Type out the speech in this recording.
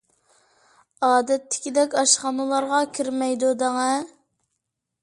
ئادەتتىكىدەك ئاشخانىلارغا كىرمەيدۇ دەڭە.